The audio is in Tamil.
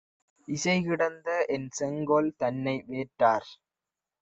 இசைகிடந்த என்செங்கோல் தன்னை வேற்றார்